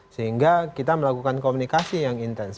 sehingga kita melakukan komunikasi yang intens